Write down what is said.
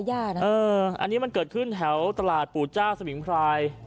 อันนี้มันเกิดขึ้นแถวตลาดปู่เจ้าสมิงพราย